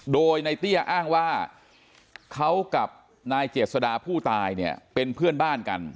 โดยในเตี้ยอ้างว่าเขากับนายเจษดาผู้ตายเนี่ยเป็นเพื่อนบ้านกัน